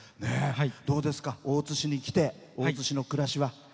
どうですか大津市に来て大津市の暮らしは。